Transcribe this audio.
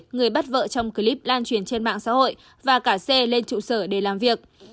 người bắt vợ trong clip lan truyền trên mạng xã hội và cả c lên trụ sở để làm việc